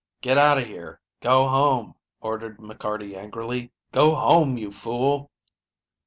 "Get out of here; go home," ordered McCarty angrily. "Go home, you fool."